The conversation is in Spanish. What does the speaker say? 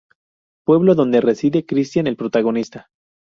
Pueblo dónde reside Christian, el protagonista.